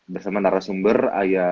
bersama narasumber ayah